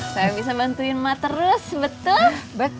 kan bisa nyembuh terus dagangannya